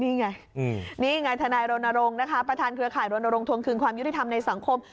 นี่ไงนี่ไงทนายรณรงค์นะคะประธานเครือข่ายรณรงควงคืนความยุติธรรมในสังคม